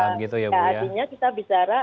ya artinya kita bicara